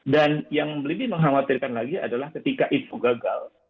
dan yang lebih mengkhawatirkan lagi adalah ketika itu gagal